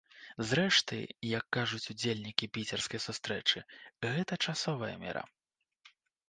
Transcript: Зрэшты, як кажуць удзельнікі піцерскай сустрэчы, гэта часовая мера.